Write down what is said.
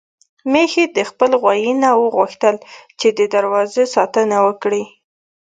ميښې د خپل غويي نه وغوښتل چې د دروازې ساتنه وکړي.